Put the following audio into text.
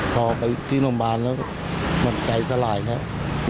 พอไปที่โรงพยาบาลแล้วมันใจสลายแล้ว